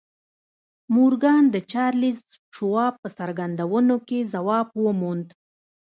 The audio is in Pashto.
مورګان د چارلیس شواب په څرګندونو کې ځواب وموند